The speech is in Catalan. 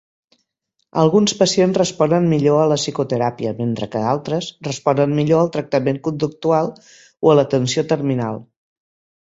Alguns pacients responen millor a la psicoteràpia, mentre que altres responen millor al tractament conductual o a l'atenció terminal.